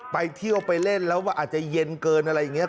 ไปเที่ยวไปเล่นแล้วว่าอาจจะเย็นเกินอะไรอย่างนี้